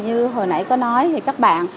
như hồi nãy có nói thì các bạn